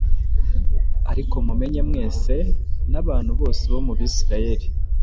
Ariko mumenye mwese n’abantu bose bo mu Bisirayeri,